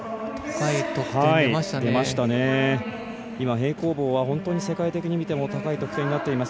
平行棒は本当に世界的に見ても高い得点になっています。